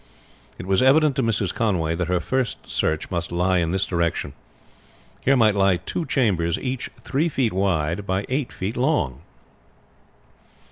It was evident to Mrs. Conway that her first search must lie in this direction. Here might lie two chambers each three feet wide by eight feet long.